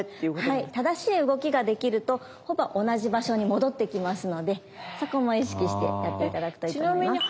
はい正しい動きができるとほぼ同じ場所に戻ってきますのでそこも意識してやって頂くといいと思います。